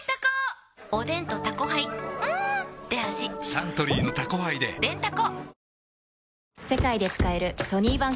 サントリーの「タコハイ」ででんタコ